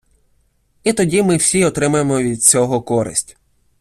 І тоді ми всі отримаємо від всього користь.